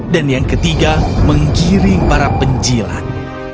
dan yang ketiga menggiring para penjilan